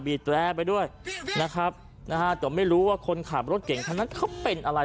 แรร์ไปด้วยนะครับนะฮะแต่ไม่รู้ว่าคนขับรถเก่งคันนั้นเขาเป็นอะไร